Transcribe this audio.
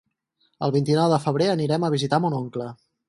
El vint-i-nou de febrer anirem a visitar mon oncle.